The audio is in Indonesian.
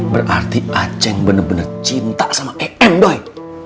berarti a'at bener bener cinta sama eem doi